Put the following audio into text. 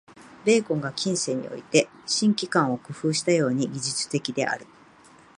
ベーコンが近世において「新機関」を工夫したように、技術的である。